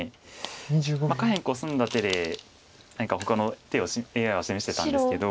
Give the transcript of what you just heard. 下辺コスんだ手で何かほかの手をＡＩは示してたんですけど。